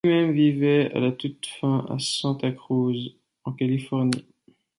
Lui-même vivait à la toute fin à Santa Cruz, en Californie.